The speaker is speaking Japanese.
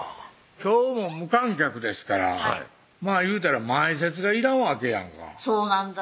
今日も無観客ですからはいまぁいうたら前説がいらんわけやんかそうなんだ